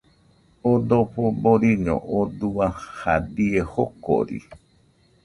Oo dojo boriño oo dua jadie jokori